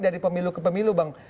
dari pemilu ke pemilu bang